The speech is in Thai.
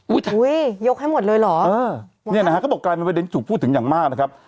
ยกให้หมดเลยเหรอเออเนี่ยนะฮะเขาบอกกลายเป็นประเด็นที่ถูกพูดถึงอย่างมากนะครับ